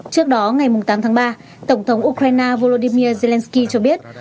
trước đó ngày tám tháng ba tổng thống ukraine volodymyr zelensky cho biết